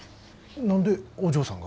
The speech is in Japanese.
何でお嬢さんが？